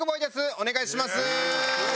お願いします。